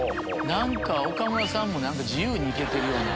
何か岡村さんも自由に行けてるような。